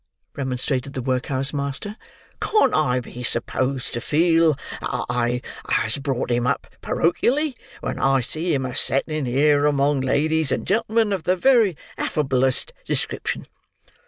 remonstrated the workhouse master. "Can't I be supposed to feel—I as brought him up porochially—when I see him a setting here among ladies and gentlemen of the very affablest description!